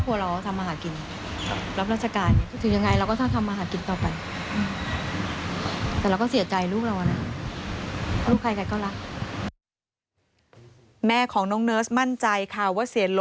เพราะครอบครัวเราทำอาหารกินรับราชการ